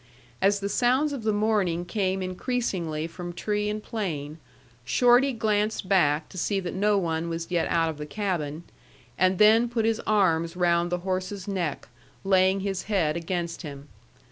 As the sounds of the morning came increasingly from tree and plain, Shorty glanced back to see that no one was yet out of the cabin, and then put his arms round the horse's neck, laying his head against him.